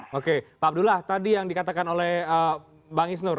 oke pak abdullah tadi yang dikatakan oleh bang isnur